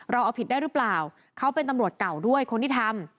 เราเอาผิดได้หรือเปล่าเขาเป็นตำรวจเก่าด้วยคนที่ทำ